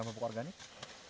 jadi lebih menguntungkan